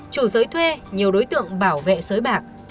chủ giới thuê nhiều đối tượng bảo vệ sới bạc